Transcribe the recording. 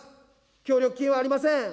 協力金はありません。